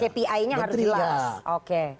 kpi nya harus jelas